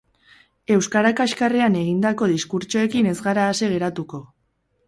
Euskara kaxkarrean egindako diskurtsoekin ez gara ase geratuko.